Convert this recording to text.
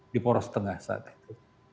di poros tengah saat itu